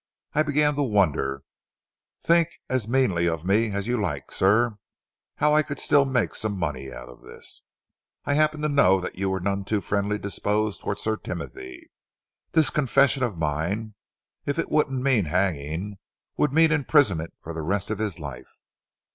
I began to wonder think as meanly of me as you like, sir how I could still make some money out of this. I happened to know that you were none too friendly disposed towards Sir Timothy. This confession of mine, if it wouldn't mean hanging, would mean imprisonment for the rest of his life.